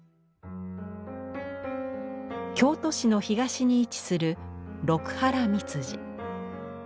京都市の東に位置する六波羅蜜寺。